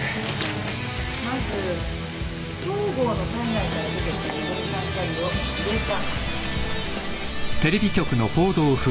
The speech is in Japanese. まず東郷の体内から出てきた青酸カリを入れた。